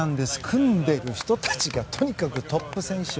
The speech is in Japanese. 組んでる人たちがとにかくトップ選手。